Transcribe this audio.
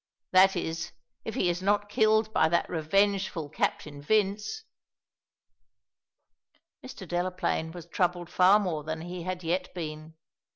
That is, if he is not killed by that revengeful Captain Vince." Mr. Delaplaine was troubled far more than he had yet been.